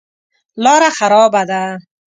لاره خرابه ده.